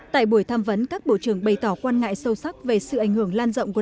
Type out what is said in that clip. tại buổi tham vấn các bộ trưởng bày tỏ quan ngại sâu sắc về sự ảnh hưởng lan rộng của